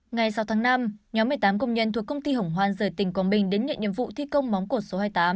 ngày sáu tháng năm nhóm một mươi tám công nhân thuộc công ty hồng hoan rời tỉnh quảng bình đến nhận nhiệm vụ thi công móng cột số hai mươi tám